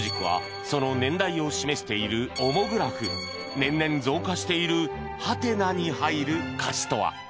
年々増加しているハテナに入る歌詞とは？